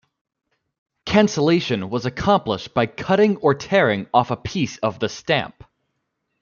Cancellation was accomplished by cutting or tearing off a piece of the stamp.